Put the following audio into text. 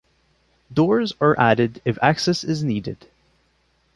Doors are added if access is needed.